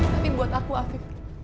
tapi buat aku afif